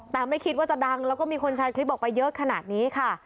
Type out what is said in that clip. แต่ไม่คิดว่าจะดังแล้วก็มีคนแชร์คลิปออกไปเยอะขนาดนี้ค่ะ